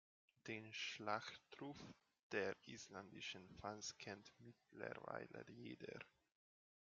Den Schlachtruf der isländischen Fans kennt mittlerweile jeder.